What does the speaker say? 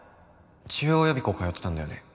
中央予備校通ってたんだよね？